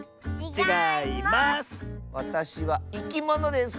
ちがいます！